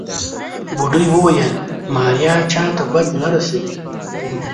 بوډۍ وويل ماريا چاته بد نه رسوي.